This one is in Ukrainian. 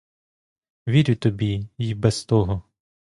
Вірю тобі й без того.